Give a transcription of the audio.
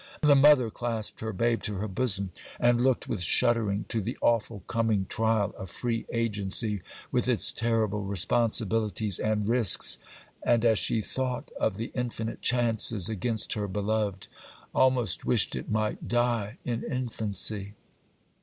The mother clasped her babe to her bosom, and looked with shuddering to the awful coming trial of free agency, with its terrible responsibilities and risks, and, as she thought of the infinite chances against her beloved, almost wished it might die in infancy.